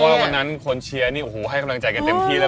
วันนั้นคนเชียร์นี่โอ้โหให้กำลังใจกันเต็มที่แล้ว